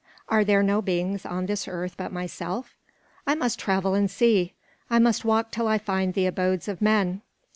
Are there no beings on this earth but myself? I must travel and see. I must walk till I find the abodes of men."